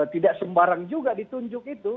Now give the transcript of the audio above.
tidak sembarang juga ditunjuk itu